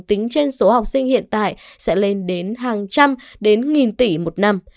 tính trên số học sinh hiện tại sẽ lên đến hàng trăm đến nghìn tỷ một năm